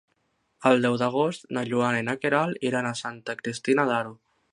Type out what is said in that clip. El deu d'agost na Joana i na Queralt iran a Santa Cristina d'Aro.